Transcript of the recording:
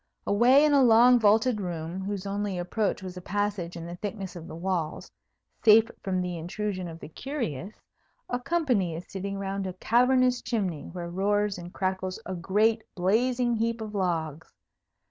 Away in a long vaulted room, whose only approach was a passage in the thickness of the walls, safe from the intrusion of the curious, a company is sitting round a cavernous chimney, where roars and crackles a great blazing heap of logs.